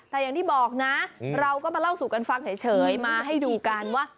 แต่อย่างที่บอกนะเราก็มาเล่าสู่กันฟังเฉยมาให้ดูกันว่า